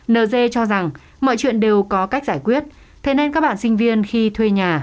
nz cho rằng mọi chuyện đều có cách giải quyết thế nên các bạn sinh viên khi thuê nhà